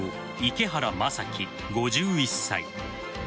池原正樹、５１歳。